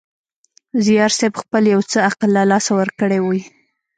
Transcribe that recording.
زیارصېب خپل یو څه عقل له لاسه ورکړی وي.